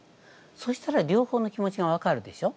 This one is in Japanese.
そしたら両方の気持ちが分かるでしょ。